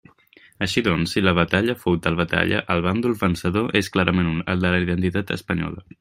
Així doncs, si la Batalla fou tal batalla, el bàndol vencedor és clarament un: el de la identitat espanyola.